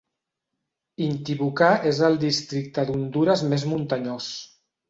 Intibucá és el districte d'Hondures més muntanyós.